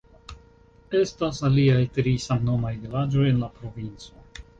Estas aliaj tri samnomaj vilaĝoj en la provinco.